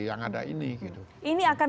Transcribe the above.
yang ada ini ini akan